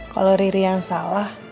kalau riri yang salah